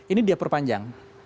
ini dia perpanjang